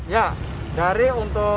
ya dari untuk